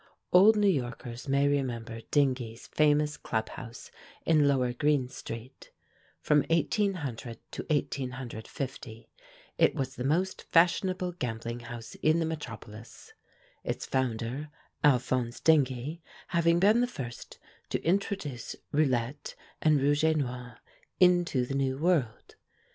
Old New Yorkers may remember Dingee's famous Club House in lower Greene Street. From 1800 to 1850 it was the most fashionable gambling house in the metropolis, its founder, Alphonse Dingee, having been the first to introduce roulette and rouge et noir into the new world.